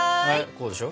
こうでしょ。